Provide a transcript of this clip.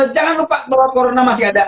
jangan lupa bahwa corona masih ada